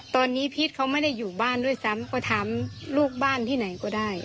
ตอนนี้พีชเขาไม่ได้อยู่บ้านด้วยซ้ำก็ถามลูกบ้านที่ไหนก็ได้